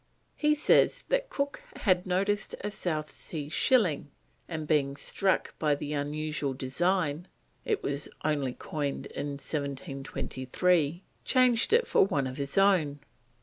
He says that Cook had noticed a South Sea shilling, and being struck by the unusual design (it was only coined in 1723), changed it for one of his own.